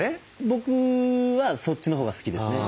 僕はそっちのほうが好きですね。